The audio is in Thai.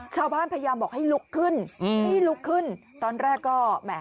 ชาวบ้านพยายามบอกให้ลุกขึ้นตอนแรกก็